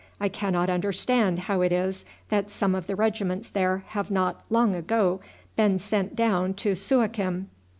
I cannot understand how it is that some of the regiments there have not long ago been sent down to Suakim.